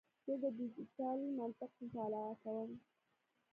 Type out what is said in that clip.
زه د ډیجیټل منطق مطالعه کوم.